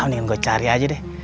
mendingan gue cari aja deh